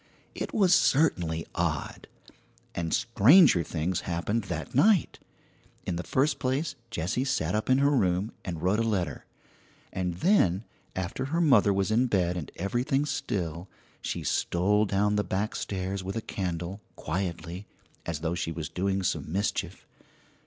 It was certainly odd, and stranger things happened that night. In the first place, Jessie sat up in her room and wrote a letter; and then, after her mother was in bed and everything still, she stole down the back stairs with a candle, quietly, as though she was doing some mischief.